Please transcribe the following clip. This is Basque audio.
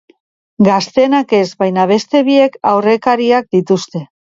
Gazteenak ez, baina beste biek aurrekariak dituzte.